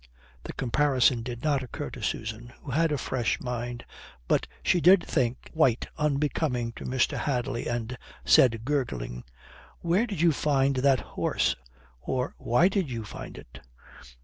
The comparison did not occur to Susan, who had a fresh mind, but she did think white unbecoming to Mr. Hadley, and said, gurgling, "Where did you find that horse? Or why did you find it?"